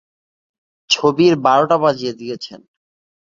ছবির বারোটা বাজিয়ে দিয়েছেন।